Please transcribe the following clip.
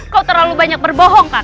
kau terlalu banyak berbohong kakak